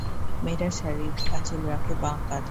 মেয়েরা শাড়ির আঁচল রাখে বাঁ কাঁধে।